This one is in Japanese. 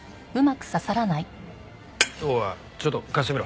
おおちょっと貸してみろ。